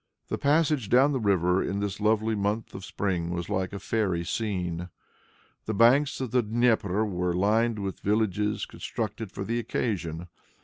The passage down the river, in this lovely month of spring, was like a fairy scene. The banks of the Dnieper were lined with villages constructed for the occasion.